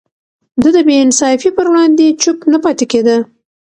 ده د بې انصافي پر وړاندې چوپ نه پاتې کېده.